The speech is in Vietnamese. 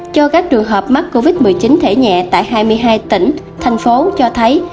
cho các trường hợp mắc covid một mươi chín thể nhẹ tại hai mươi hai tỉnh thành phố cho thấy